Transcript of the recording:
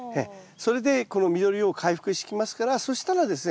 それでこの緑を回復してきますからそしたらですね